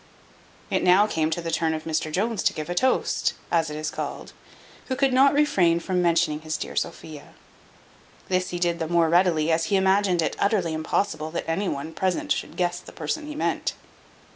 It now came to the turn of Mr Jones to give a toast, as it is called; who could not refrain from mentioning his dear Sophia. This he did the more readily, as he imagined it utterly impossible that any one present should guess the person he meant.